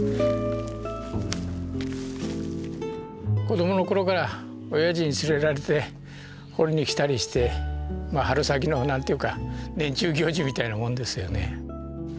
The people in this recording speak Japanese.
子どものころからおやじに連れられて掘りに来たりして春先のなんていうか年中行事みたいなもんですよね。